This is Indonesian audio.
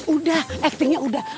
udah actingnya udah